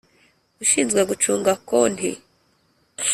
Ushinzwe gucunga konti